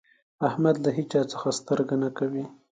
احمد له هيچا څځه سترګه نه کوي.